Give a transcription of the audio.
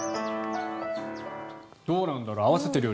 どうなんだろう。